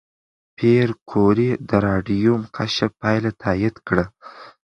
پېیر کوري د راډیوم کشف پایله تایید کړه.